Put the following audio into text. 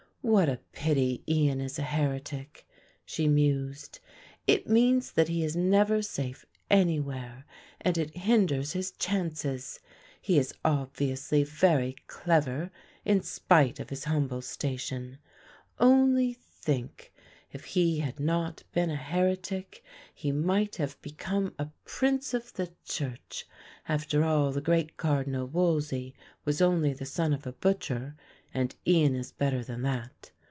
"What a pity Ian is a heretic," she mused; "it means that he is never safe anywhere and it hinders his chances. He is obviously very clever in spite of his humble station. Only think, if he had not been a heretic he might have become a prince of the church; after all the great Cardinal Wolsey was only the son of a butcher and Ian is better than that.